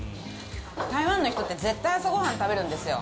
台湾の人って、絶対、朝ごはんを食べるんですよ。